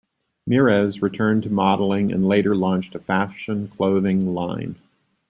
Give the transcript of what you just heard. Meares returned to modeling and later launched a fashion clothing line.